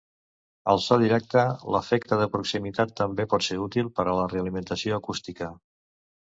Al so directe, l'Efecte de Proximitat també pot ser útil per a la realimentació acústica.